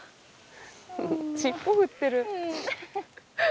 尻尾振ってる。